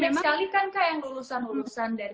misalkan kak yang lulusan lulusan dari